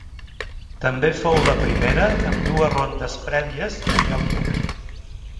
També fou la primera amb dues rondes prèvies en lloc d'una.